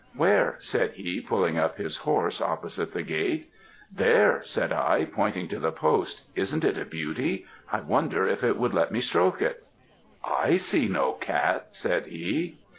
"'Where?' said he, pulling up his horse opposite the gate. "'There,' said I, pointing to the post, 'Isn't it a beauty; I wonder if it would let me stroke it!' "'I see no cat,' said he.